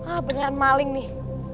ah beneran maling nih